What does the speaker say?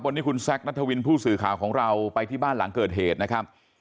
วันนี้คุณแซคนัทวินผู้สื่อข่าวของเราไปที่บ้านหลังเกิดเหตุนะครับ